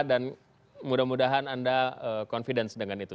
dan mudah mudahan anda confidence dengan itu